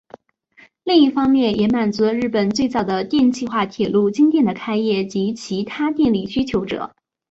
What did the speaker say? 另一方面也满足了日本最早的电气化铁路京电的开业及其他电力需求者。